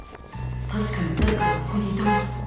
確かに誰かがここにいたんだ